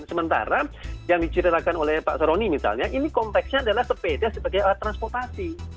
sementara yang diceritakan oleh pak soroni misalnya ini kompleksnya adalah sepeda sebagai alat transportasi